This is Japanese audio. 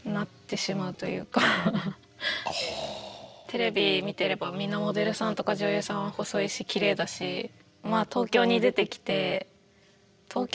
テレビ見てればみんなモデルさんとか女優さんは細いしきれいだし東京に出てきて理想とする何かあるんですか？